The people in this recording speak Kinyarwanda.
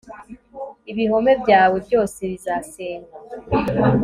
ibihome byawe byose bizasenywa